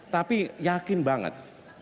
tapi yakin banget